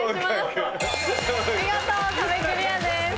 見事壁クリアです。